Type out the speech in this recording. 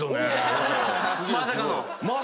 まさかの。